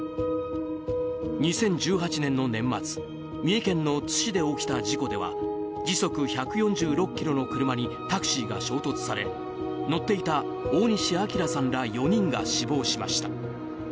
２０１８年の年末三重県の津市で起きた事故では時速１４６キロの車にタクシーが衝突され乗っていた大西朗さんら４人が死亡しました。